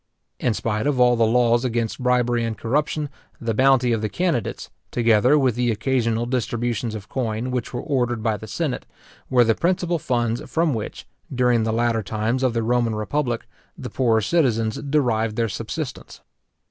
In spite of all the laws against bribery and corruption, the bounty of the candidates, together with the occasional distributions of coin which were ordered by the senate, were the principal funds from which, during the latter times of the Roman republic, the poorer citizens derived their subsistence.